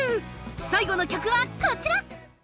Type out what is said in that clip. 最後の曲は、こちら！